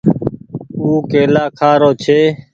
او ڪيلآ ڪآ کآ رو ڇي ۔